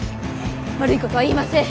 悪いことは言いません。